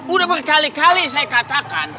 udah berkali kali saya katakan